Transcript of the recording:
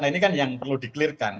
nah ini kan yang perlu di clear kan